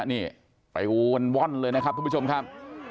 นี่ไปวนว่อนเลยนะครับทุกผู้ชมครับ